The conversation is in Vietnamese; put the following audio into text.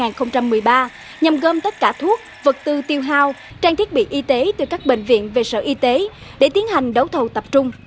lập vào năm hai nghìn một mươi ba nhằm gom tất cả thuốc vật tư tiêu hào trang thiết bị y tế từ các bệnh viện về sở y tế để tiến hành đấu thầu tập trung